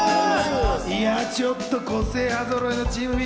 いやぁ、ちょっと個性派ぞろいのチームＢ。